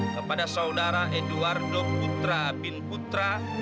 kepada saudara enduwardo putra bin putra